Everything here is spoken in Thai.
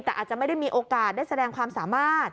แต่อาจจะไม่ได้มีโอกาสได้แสดงความสามารถ